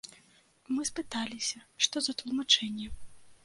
Мы спыталіся, што за тлумачэнні.